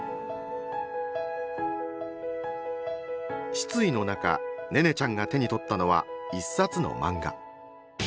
失意の中寧音ちゃんが手に取ったのは一冊の漫画。